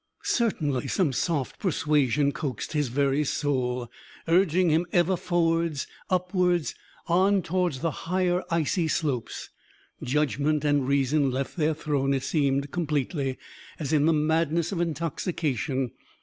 Certainly some soft persuasion coaxed his very soul, urging him ever forwards, upwards, on towards the higher icy slopes. Judgment and reason left their throne, it seemed, completely, as in the madness of intoxication.